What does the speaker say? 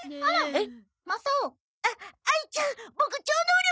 えっ？